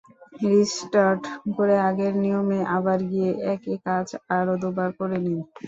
Restart করে আগের নিয়মে আবার গিয়ে একই কাজ আরও দুবার করে নিন।